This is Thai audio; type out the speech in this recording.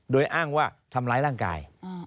โดยอ้างว่าทำร้ายร่างกาย